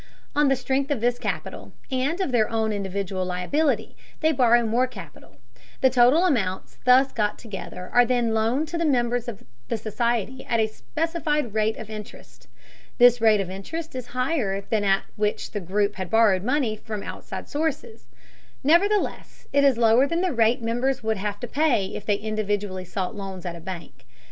On the strength of this capital, and of their own individual liability, they borrow more capital. The total amounts thus got together are then loaned to the members of the society at a specified rate of interest. This rate of interest is higher than that at which the group had borrowed money from outside sources; nevertheless, it is lower than the rate members would have to pay if they individually sought loans at a bank.